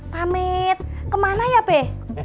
pamit kemana ya be